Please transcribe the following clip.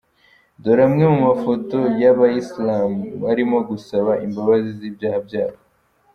Dore amwe mu mafoto y’aba bayisilamu barimo gusaba imbabazi z’ibyaha byabo.